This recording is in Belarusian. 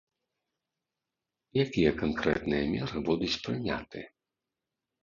Якія канкрэтныя меры будуць прыняты?